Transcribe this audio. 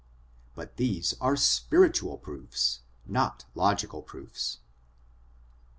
But these are spiritual proofs, not logical proofs.